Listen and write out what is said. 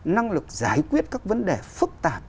năng lực giải quyết các vấn đề phức tạp